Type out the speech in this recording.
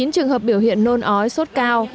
một mươi chín trường hợp biểu hiện nôn ói sốt cao